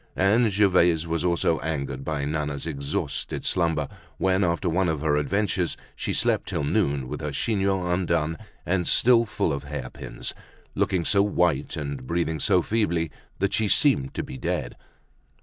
And Gervaise was also angered by Nana's exhausted slumber, when after one of her adventures, she slept till noon, with her chignon undone and still full of hair pins, looking so white and breathing so feebly that she seemed to be dead.